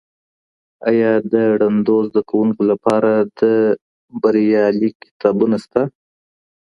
آیا د ړندو زده کوونکو لپاره د بریل لیک کتابونه سته؟